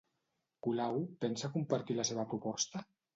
Colau pensa compartir la seva proposta?